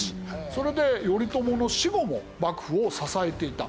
それで頼朝の死後も幕府を支えていた。